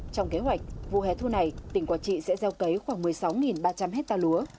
trong kế hoạch vụ hẻ thu này tỉnh quảng trị sẽ gieo cấy khoảng một mươi sáu ba trăm linh hectare lúa